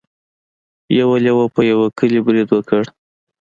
یو لیوه په یوه کلي برید وکړ.